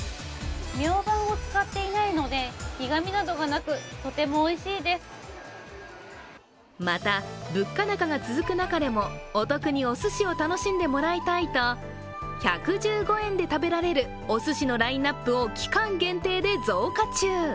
ミョウバンを使っていないので、苦みなどがなくまた、物価高が続く中でもお得におすしを楽しんでもらいたいと１１５円で食べられるおすしのラインナップを期間限定で増加中。